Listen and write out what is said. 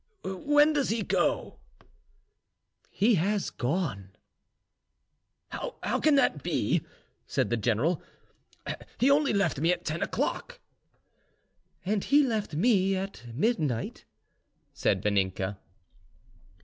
"When does he go?" "He has gone." "How can that be?" said the general: "he only left me at ten o'clock." "And he left me at midnight," said Vaninka.